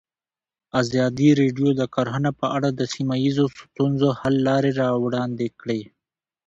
ازادي راډیو د کرهنه په اړه د سیمه ییزو ستونزو حل لارې راوړاندې کړې.